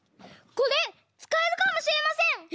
これつかえるかもしれません！